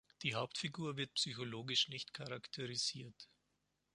Die Hauptfigur wird psychologisch nicht charakterisiert.